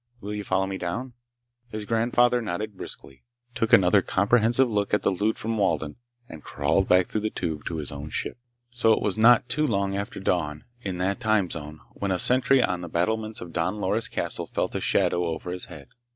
"Will you follow me down?" His grandfather nodded briskly, took another comprehensive look at the loot from Walden, and crawled back through the tube to his own ship. So it was not too long after dawn, in that time zone, when a sentry on the battlements of Don Loris' castle felt a shadow over his head.